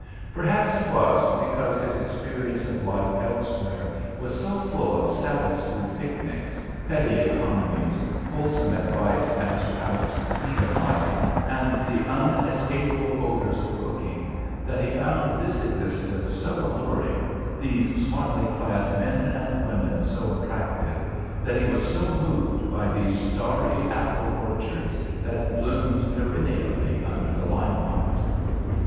Perhaps it was because his experience of life elsewhere was so full of Sabbath school picnics, petty economies, wholesome advice as to how to succeed in life, and the unescapable odours of cooking, that he found this existence so alluring, these smartly clad men and women so attractive, that he was so moved by these starry apple orchards that bloomed perennially under the lime light.